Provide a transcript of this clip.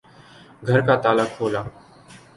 گھر کا تالا کھولا